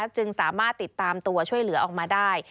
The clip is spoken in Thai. จึงสามารถติดตามตัวช่วยเหลือออกมาได้